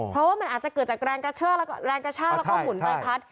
เพราะว่ามันอาจจะเกิดจากแรงกระช่าและข้อหมุนใบพัด